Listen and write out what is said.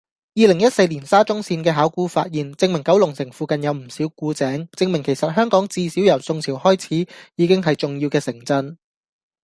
二零一四年沙中線嘅考古發現，證明九龍城附近有唔少古井，證明其實香港至少由宋朝開始已經係重要嘅城鎮